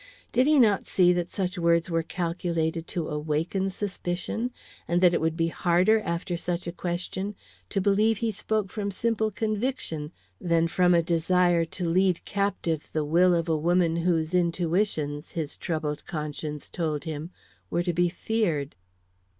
Did he not see that such words were calculated to awaken suspicion, and that it would be harder, after such a question, to believe he spoke from simple conviction, than from a desire to lead captive the will of a woman whose intuitions, his troubled conscience told him, were to be feared?